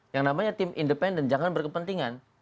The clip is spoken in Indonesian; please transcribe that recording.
yang namanya tim independen jangan berkepentingan